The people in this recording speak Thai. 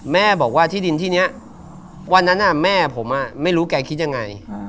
แม่บอกว่าที่ดินที่นี้วันนั้นแม่ผมไม่รู้แกคิดยังไง